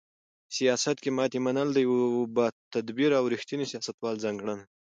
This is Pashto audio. سیاست کې ماتې منل د یو باتدبیره او رښتیني سیاستوال ځانګړنه ده.